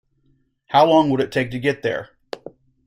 How long would it take to get there?